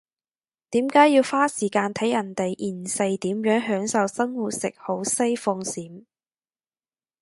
點解要花時間睇人哋現世點樣享受生活食好西放閃？